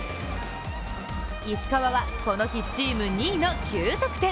石川はこの日、チーム２位の９得点。